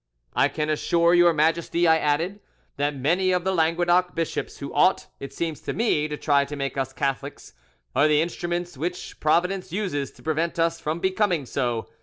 'And I can assure your Majesty,' I added, 'that many of the Languedoc bishops who ought, it seems to me, to try to make us Catholics, are the instruments which Providence uses to prevent us from becoming so.